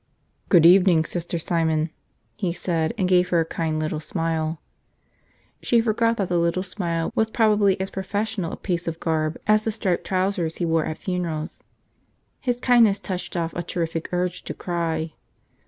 "Good evening, Sister Simon," he said, and gave her a kind little smile. She forgot that the little smile was probably as professional a piece of garb as the striped trousers he wore at funerals. His kindness touched off a terrific urge to cry.